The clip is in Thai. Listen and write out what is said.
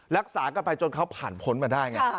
รักษากันไปจนเขาผ่านพ้นมาได้ไง